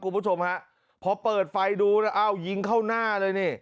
คุณผู้ชมฮะพอเปิดไฟดูแล้วอ้าวยิงเข้าหน้าเลยนี่